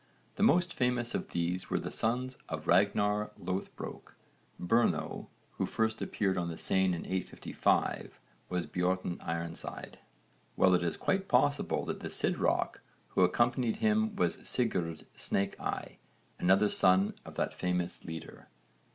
The most famous of these were the sons of Ragnarr Loðbrók. Berno, who first appeared on the Seine in 855, was Björn Ironside, while it is quite possible that the Sidroc who accompanied him was Sigurd Snake eye, another son of that famous leader.